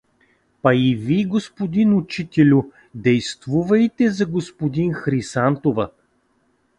— Па и вий, господин учительо, действувайте за господин Хрисантова.